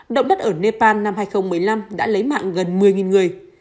động đất ở nepal năm hai nghìn một mươi năm đã lấy mạng gần một mươi người